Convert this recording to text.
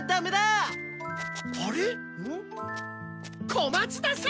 小松田さん！